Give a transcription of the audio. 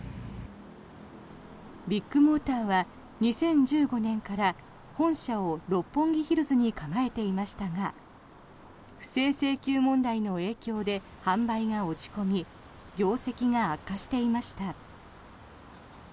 ビッグモーターは２０１５年から本社を六本木ヒルズに構えていましたが不正請求問題の影響で販売が落ち込み業績が悪化していました。